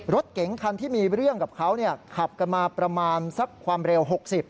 รถเก๋งคันที่มีเรื่องกับเขาขับกันมาประมาณสักความเร็ว๖๐